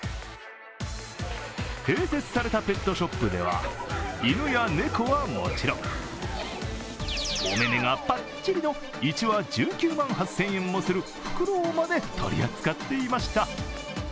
併設されたペットショップでは犬や猫はもちろん、お目目がパッチリの１羽１９万８０００円もするフクロウまで取り扱っていました。